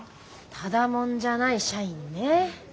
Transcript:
ただ者じゃない社員ねえ。